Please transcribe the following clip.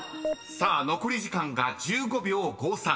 ［残り時間が１５秒５３］